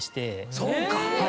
そうか。